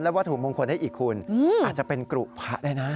วัตถุมงคลได้อีกคุณอาจจะเป็นกรุพระได้นะ